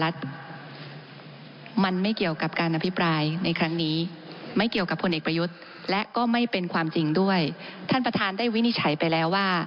ท่านประธานได้วินิจฉัยไปแล้วว่า